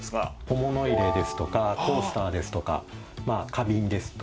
小物入れですとかコースターですとか花瓶ですとか。